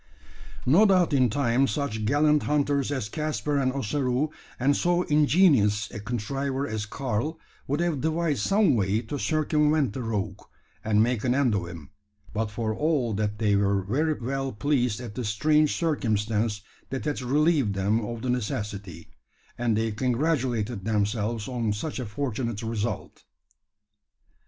No doubt in time such gallant hunters as Caspar and Ossaroo, and so ingenious a contriver as Karl, would have devised some way to circumvent the rogue, and make an end of him; but for all that they were very well pleased at the strange circumstance that had relieved them of the necessity, and they congratulated themselves on such a fortunate result.